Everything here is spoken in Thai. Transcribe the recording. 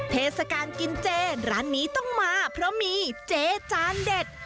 เทศกาลกินเจร้านนี้ต้องมาเพราะมีเจจานเด็ด